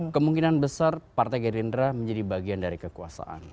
kemungkinan besar partai gerindra menjadi bagian dari kekuasaan